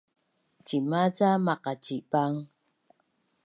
Cima ca maqacibang?